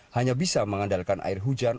hanya bisa mengandalkan air hujan